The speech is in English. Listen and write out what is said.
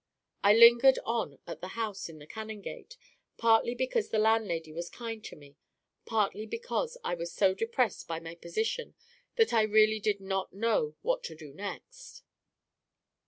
I lingered on at the house in the Canongate, partly because the landlady was kind to me, partly because I was so depressed by my position that I really did not know what to do next.